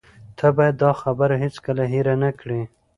ته باید دا خبره هیڅکله هیره نه کړې